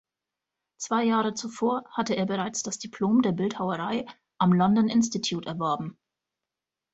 Zwei Jahre zuvor hatte er bereits das Diplom der Bildhauerei am London Institute erworben.